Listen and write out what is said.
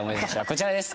こちらです。